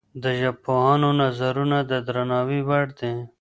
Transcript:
د ژبپوهانو نظرونه د درناوي وړ دي.